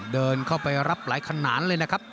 เดินเข้าไปรับหลายขนาดเลยนะครับ